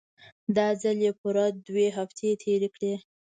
دا ځل يې پوره دوې هفتې تېرې کړې.